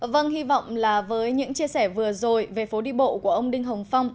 vâng hy vọng là với những chia sẻ vừa rồi về phố đi bộ của ông đinh hồng phong